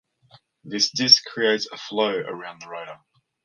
This disc creates a flow around the rotor.